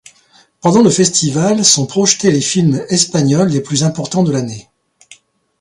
Pendant le festival, sont projetés les films espagnols les plus importants de l'année.